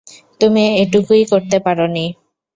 তুমি এটুকুও করতে পারো নি?